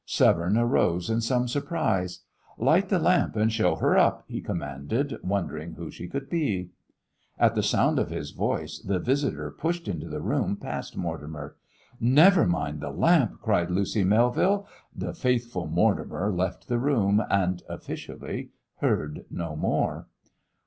Severne arose in some surprise. "Light the lamp, and show her up," he commanded, wondering who she could be. At the sound of his voice, the visitor pushed into the room past Mortimer. "Never mind the lamp," cried Lucy Melville. The faithful Mortimer left the room, and officially heard no more.